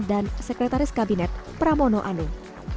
dan sekretaris kabinet pramono anung